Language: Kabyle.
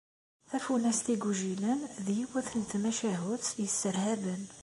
tafunast igujilen d yiwet n tmacahut isserhaben